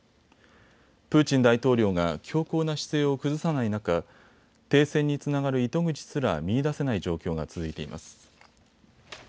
プーチン大統領が強硬な姿勢を崩さない中、停戦につながる糸口すら見いだせない状況が続いています。